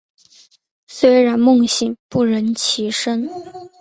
虽然梦醒不忍起身